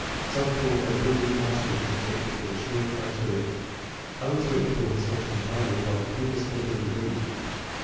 Some thought that ability to master arithmetic was a sure criterion. Others were influenced almost entirely by the pupil's ability to read.